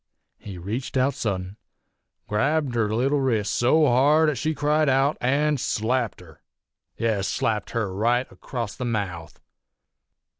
He reached out suddent, grabbed her leetle wrist so hard 'at she cried out, an' slapped her yes, slapped her right across the mouth.